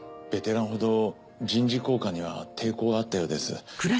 ベテランほど人事考課には抵抗があったようです。